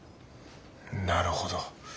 なるほど。